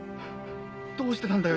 どうしてたんだよ